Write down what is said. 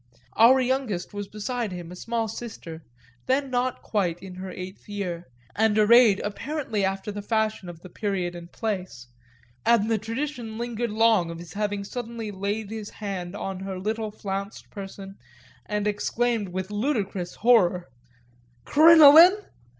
Our youngest was beside him, a small sister, then not quite in her eighth year, and arrayed apparently after the fashion of the period and place; and the tradition lingered long of his having suddenly laid his hand on her little flounced person and exclaimed with ludicrous horror: "Crinoline?